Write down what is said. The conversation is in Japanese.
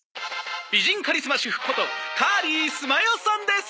「美人カリスマ主婦ことカーリー・須磨代さんです」